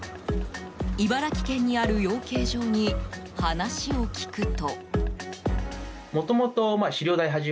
茨城県にある養鶏場に話を聞くと。